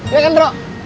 iya kan rok